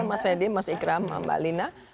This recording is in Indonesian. mas fedy mas ikram mbak lina